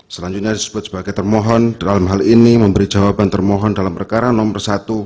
selanjutnya disebut sebagai termohon dalam hal ini memberi jawaban termohon dalam perkara nomor satu